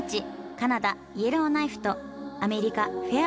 カナダ・イエローナイフとアメリカ・フェア